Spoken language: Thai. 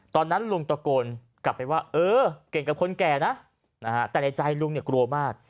ตอนนั้นลุงตะโกนกลับไปว่าเออเก่งกับคนแก่นะแต่ในใจลุงเนี่ยกลัวมาก